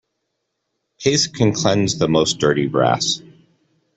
Paste can cleanse the most dirty brass.